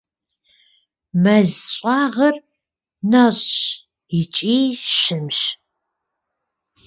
Мэз щӀагъыр нэщӀщ икӀи щымщ.